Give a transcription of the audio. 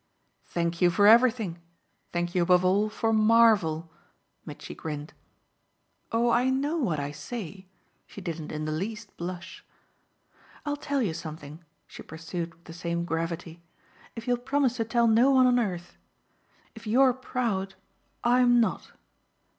"Thank you for everything. Thank you above all for 'marvel'!" Mitchy grinned. "Oh I know what I say!" she didn't in the least blush. "I'll tell you something," she pursued with the same gravity, "if you'll promise to tell no one on earth. If you're proud I'm not.